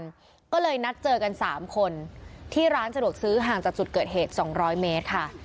ก็เลยนัดเจอกัน๓คนที่ร้านสะดวกซื้อห่างจากจุดเกิดเหตุ๒๐๐เมตรค่ะ